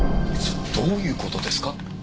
どういう事ですか？